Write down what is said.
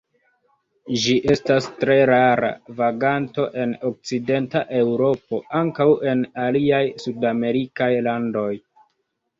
Ĝi estas tre rara vaganto en okcidenta Eŭropo; ankaŭ en aliaj sudamerikaj landoj.